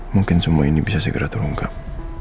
mungkin semua ini bisa segera terungkap